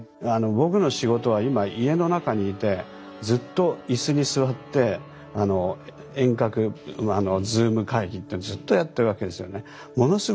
僕の仕事は今家の中にいてずっと椅子に座って遠隔Ｚｏｏｍ会議っていうのをずっとやってるわけですよね。